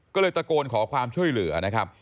ก็เลยตะโกนขอความช่วยเหลือนะครับ